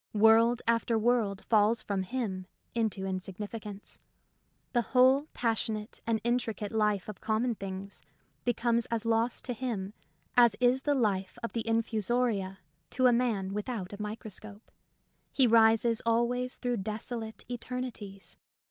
World after world falls from him into insignificance ; the whole passionate and intricate life of common things becomes as lost to him as is the life of the infusoria to a man without a micro scope. He rises always through desolate eternities.